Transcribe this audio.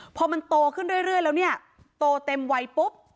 พอมันโตขึ้นเรื่อยแล้วเนี่ยโตเต็มวัยปุ๊บ